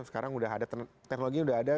sekarang udah ada teknologi udah ada